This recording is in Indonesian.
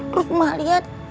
terus mak liat